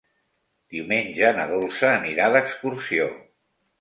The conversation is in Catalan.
Diumenge na Dolça anirà d'excursió.